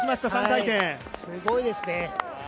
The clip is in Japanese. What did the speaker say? すごいですね。